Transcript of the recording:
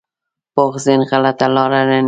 پوخ ذهن غلطه لاره نه نیسي